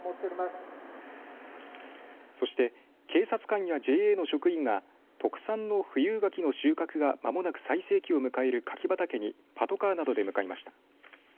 そして、警察官やＪＡの職員が特産の富有柿の収穫が間もなく最盛期を迎える柿畑にパトカーなどで向かいました。